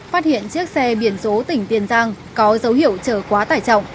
phát hiện chiếc xe biển số tỉnh tiền giang có dấu hiệu chở quá tải trọng